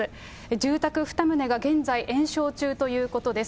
住宅２棟が、現在延焼中ということです。